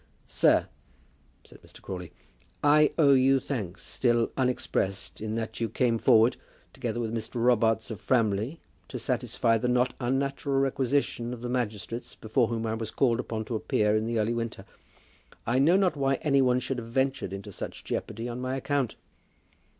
"Sir," said Mr. Crawley, "I owe you thanks, still unexpressed, in that you came forward, together with Mr. Robarts of Framley, to satisfy the not unnatural requisition of the magistrates before whom I was called upon to appear in the early winter. I know not why any one should have ventured into such jeopardy on my account."